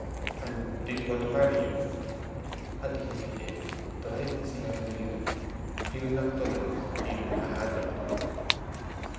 'And did he want to marry you?' 'I believe he did. But I didn't see anything in him. He was not good enough, even if I had loved him.